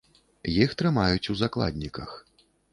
Іх трымаюць у закладніках.